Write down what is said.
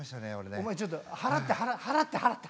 お前ちょっと払って払って払って。